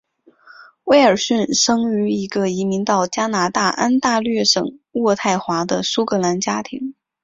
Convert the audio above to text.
威尔逊生于一个移民到加拿大安大略省渥太华的苏格兰家庭。